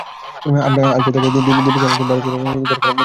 আমরা আসবার আগে দিব্যি কেমন ভালো ঘরখানা দখল করে বসেছিল।